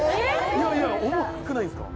いやいや重くないですか？